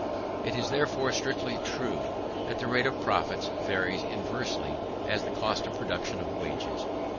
It is, therefore, strictly true, that the rate of profits varies inversely as the cost of production of wages.